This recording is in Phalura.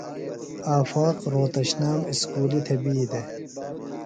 آفاق رھوتشنام اُسکُلیۡ تھےۡ بی دےۡ۔